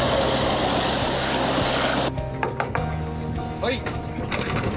はい。